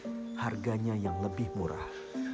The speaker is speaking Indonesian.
buah buah ini harganya yang lebih murah